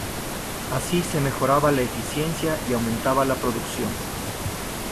Así se mejoraba la eficiencia y aumentaba la producción.